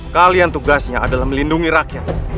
kalian tugasnya adalah melindungi rakyat